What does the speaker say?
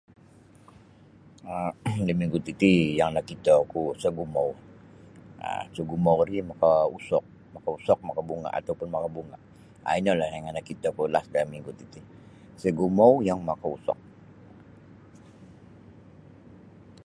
um da minggu titi yang nakitoku sagumau um sagumau ri makausok makausok makabunga' atau pun makabunga' um ino lah yang nakitoku da minggu ti sagumau yang makausok.